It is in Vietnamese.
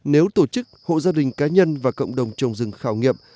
nếu tổ chức hộ gia đình cá nhân và cộng đồng trồng rừng khảo nghiệm